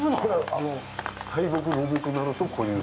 大木、老木になるとこういう。